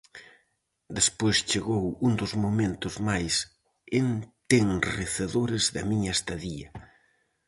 Despois chegou un dos momentos máis entenrecedores da miña estadía.